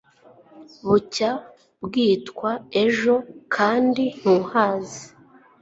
bucya bwitwa ejo kandi ntuhazi